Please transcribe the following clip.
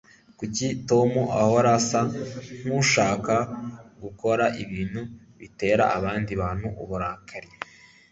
kuki tom ahora asa nkushaka gukora ibintu bitera abandi bantu uburakari